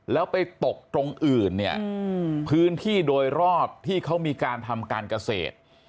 แล้วไปตกตรงอื่นเนี่ยพื้นที่โดยรอบที่เขามีการทำการเกษตร